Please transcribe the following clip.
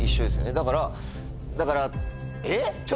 だからだから。